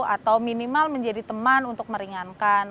atau minimal menjadi teman untuk meringankan